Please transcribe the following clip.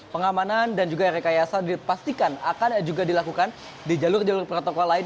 pengamanan dan juga rekayasa dipastikan akan juga dilakukan di jalur jalur protokol lain